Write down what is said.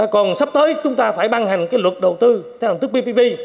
còn sắp tới chúng ta phải ban hành cái luật đầu tư theo hành tức ppp